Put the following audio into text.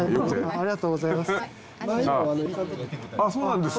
ありがとうございます。